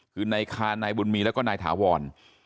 คือนายคานนายบุญมีแล้วก็นายถาวร